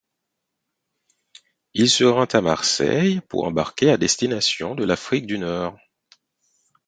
Il se rend à Marseille pour embarquer à destination de l'Afrique du Nord.